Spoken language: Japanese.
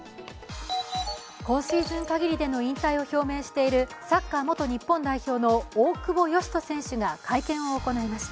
今シーズンかぎりでの引退を表明しているサッカー元日本代表の大久保嘉人選手が会見を行いました。